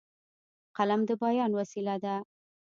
قلم د بیان وسیله ده.